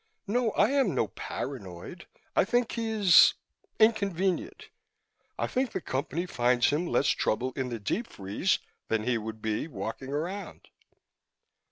"No, I am no paranoid. I think he is inconvenient. I think the Company finds him less trouble in the deep freeze than he would be walking around."